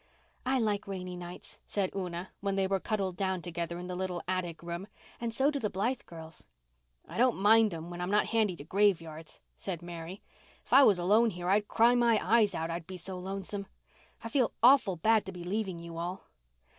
"I like rainy nights," said Una, when they were cuddled down together in the little attic room, "and so do the Blythe girls." "I don't mind 'em when I'm not handy to graveyards," said Mary. "If I was alone here I'd cry my eyes out I'd be so lonesome. I feel awful bad to be leaving you all."